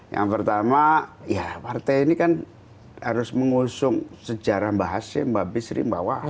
yang pertama ya partai ini kan harus mengusung sejarah mbak hasim mbak bisri mbak wahab kustur sampai ke tiga